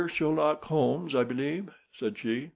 Sherlock Holmes, I believe?" said she.